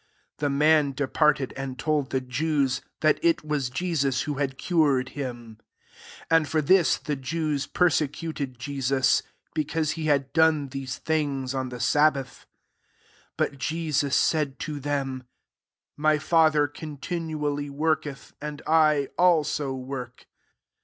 15 The man departed, and told the Jews that it was Jesus who had cured him. 16 And for this, the Jews persecuted Jesus, because he had done these things on the sabbath. ir But Jesus said to them$ " My Father continually work eth; and I also work."